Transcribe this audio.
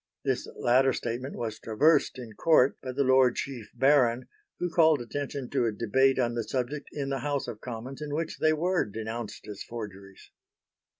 This latter statement was traversed in Court by the Lord Chief Baron, who called attention to a debate on the subject in the House of Commons in which they were denounced as forgeries.